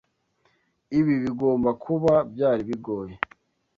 Ibi bigomba kuba byari bigoye.